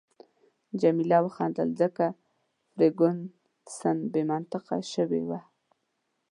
جميله وخندل، ځکه فرګوسن بې منطقه شوې وه.